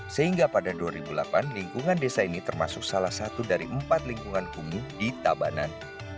sehingga pada dua ribu delapan lingkungan desa ini termasuk salah satu dari empat lingkungan kumuh di tabanan